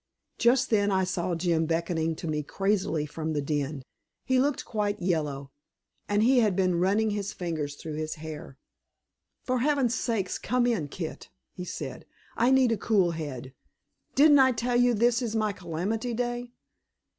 Just then I saw Jim beckoning to me crazily from the den. He looked quite yellow, and he had been running his fingers through his hair. "For Heaven's sake, come in, Kit!" he said. "I need a cool head. Didn't I tell you this is my calamity day?"